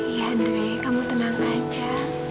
iya andre kamu tenang aja